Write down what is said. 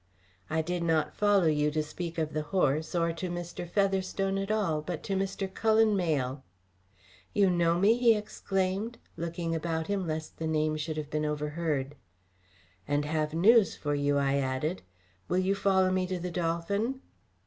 "I did not follow you to speak of the horse, or to Mr. Featherstone at all, but to Mr. Cullen Mayle." "You know me?" he exclaimed, looking about him lest the name should have been overheard. "And have news for you," I added. "Will you follow me to the 'Dolphin?'"